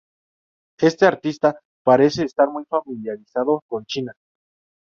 Este artista parece estar muy familiarizado con China.